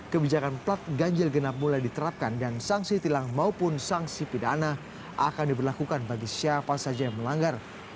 kebijakan plat ganjil genap mulai diterapkan dan sanksi tilang maupun sanksi pidana akan diberlakukan bagi siapa saja yang melanggar